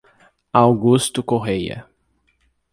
Augusto Corrêa